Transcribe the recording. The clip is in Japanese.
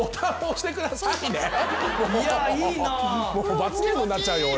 罰ゲームになっちゃう俺。